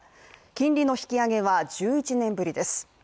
金利の引き上げは１１年ぶりです。